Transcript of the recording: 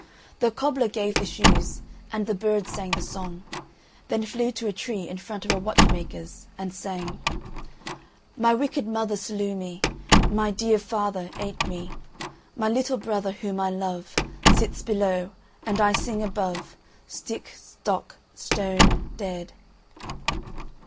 The cobbler gave the shoes, and the bird sang the song; then flew to a tree in front of a watchmaker's, and sang: "My wicked mother slew me, My dear father ate me, My little brother whom I love Sits below, and I sing above Stick, stock, stone dead."